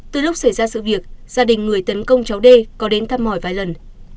từ lúc xảy ra sự việc gia đình người tấn công cháu n t l có đến thăm hỏi vài lần